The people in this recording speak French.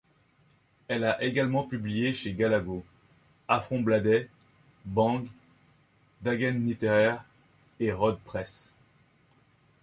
Elle a également publié chez Galago, Aftonbladet, Bang, Dagens Nyheter, et Röd Press.